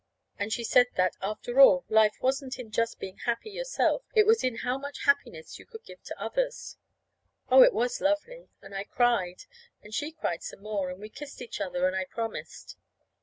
And she said that, after all, life wasn't in just being happy yourself. It was in how much happiness you could give to others. Oh, it was lovely! And I cried, and she cried some more, and we kissed each other, and I promised.